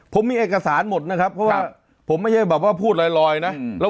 ผมมีเอกสารหมดนะครับเพราะว่าผมไม่ใช่แบบว่าพูดลอยนะ